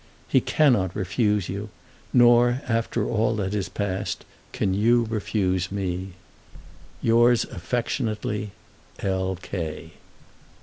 He cannot refuse you, nor after all that is passed can you refuse me. Yours affectionately, L. K.